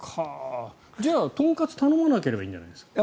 じゃあ豚カツを頼まなきゃいいんじゃないですか？